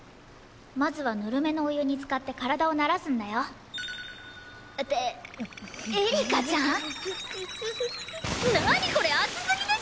まずはぬるめのお湯につかって体を慣らすんだよ。ってエリカちゃん？何これ熱すぎでしょ！